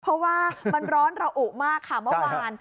เพราะว่ามันร้อนระอุมากค่ะเมื่อวาน